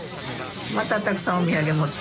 またたくさんお土産持って。